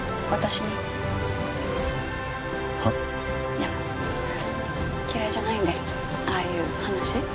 いや嫌いじゃないんでああいう話。